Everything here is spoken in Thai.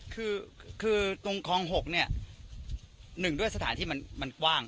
คือคือตรงคลองหกเนี้ยหนึ่งด้วยสถานที่มันมันกว้าง